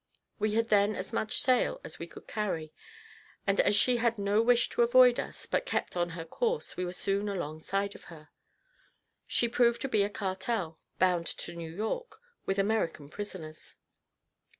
We had then as much sail as we could carry; and as she had no wish to avoid us, but kept on her course, we were soon alongside of her. She proved to be a cartel, bound to New York with American prisoners.